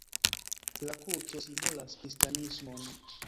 La kruco simbolas kristanismon.